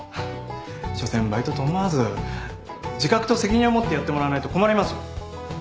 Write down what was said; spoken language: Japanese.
しょせんバイトと思わず自覚と責任を持ってやってもらわないと困ります。